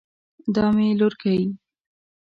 دا مې لورکۍ